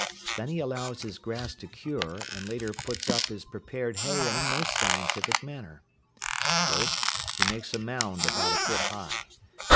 Then he allows his grass to cure and later puts up his prepared hay in a most scientific manner. First he makes a mound about a foot high.